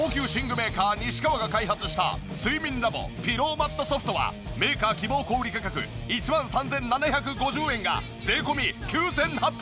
メーカー西川が開発した睡眠ＬａｂｏピローマットＳｏｆｔはメーカー希望小売価格１万３７５０円が税込９８００円。